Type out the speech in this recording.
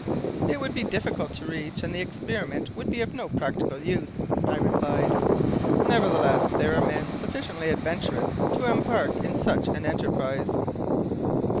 "It would be difficult to reach, and the experiments would be of no practical use," I replied. "Nevertheless there are men sufficiently adventurous to embark in such an enterprise."